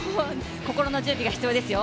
心の準備が必要ですよ。